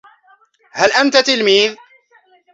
هل أنت تلميذ؟